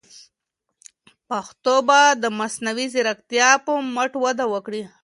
پښتو به د مصنوعي ځیرکتیا په مټ وده وکړي.